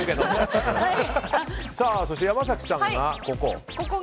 そして山崎さんがここ。